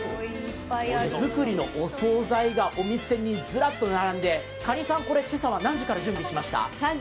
手作りのお総菜がお店にずらっと並べられて蠏さん、これ、今朝は何時から準備をしました？